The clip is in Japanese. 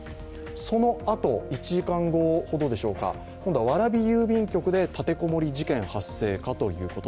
そのあと、１時間後ほどでしょうか今度は蕨郵便局で立てこもり事件発生かということ。